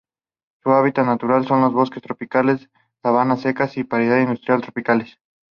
Su hábitat natural son los bosques tropicales, sabana seca, y praderas inundables tropicales.